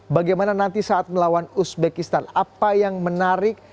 bagaimana nanti saat melawan uzbekistan apa yang menarik